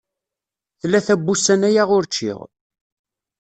Tlata wussan aya ur ččiɣ.